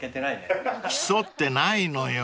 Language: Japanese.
［競ってないのよ］